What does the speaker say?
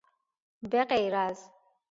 بغیر از